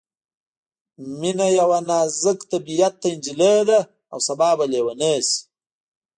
مينه یوه نازک طبعیته نجلۍ ده او سبا به ليونۍ شي